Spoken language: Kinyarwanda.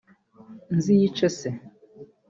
Nziyice se